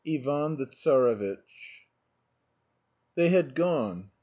IVAN THE TSAREVITCH They had gone.